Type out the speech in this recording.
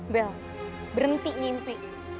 bel berhenti ngimpi